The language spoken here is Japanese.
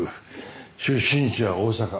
出身地は大阪。